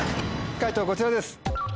解答こちらです。